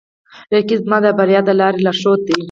رقیب زما د بریا د لارې لارښود دی